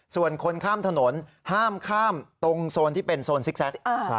ส่วนคนข้ามถนนห้ามข้ามตรงโซนที่เป็นโซนซิกแซค